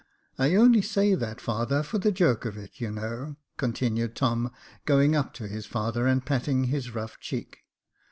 I only say that, father, for the joke of it, you know," con tinued Tom, going up to his father and patting his rough cheek.